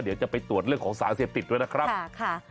เดี๋ยวจะไปตรวจเรื่องของสารเสพติดด้วยนะครับ